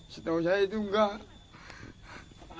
setahu saya itu enggak